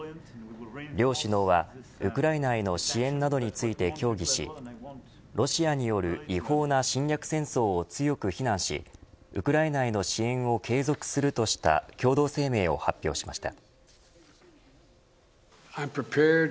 両首脳は、ウクライナへの支援などについて協議しロシアによる違法な侵略戦争を強く非難しウクライナへの支援を継続するとした共同声明を発表しました。